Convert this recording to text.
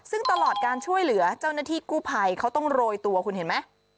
ซึ่งตลอดการช่วยเหลือเจ้าหน้าที่กู้ภัยเขาต้องโรยตัวคุณเห็นไหม